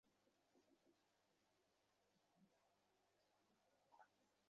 হজ কবুল হলো কি হলো না তা শুধু আল্লাহ তাআলাই জানেন।